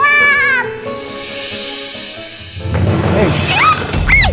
asik berarti coklat